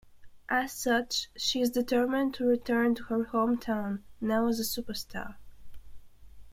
As such, she is determined to return to her hometown, now as a superstar.